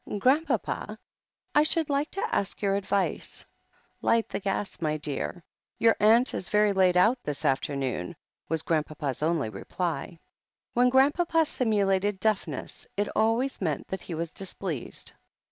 'Grandpapa, I should like to ask your advice." 'Light the gas, my dear. Your aunt is very late out this afternoon," was Grandpapa's only reply. When Grandpapa simulated deafness, it always meant that he was displeased.